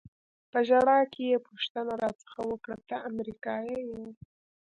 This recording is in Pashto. په ژړا کې یې پوښتنه را څخه وکړه: ته امریکایي یې؟